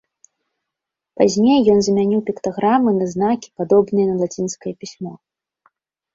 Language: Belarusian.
Пазней ён замяніў піктаграмы на знакі, падобныя на лацінскае пісьмо.